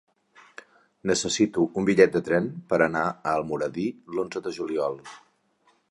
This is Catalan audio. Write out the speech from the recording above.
Necessito un bitllet de tren per anar a Almoradí l'onze de juliol.